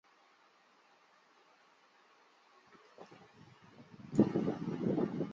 他担任环保组织的主席。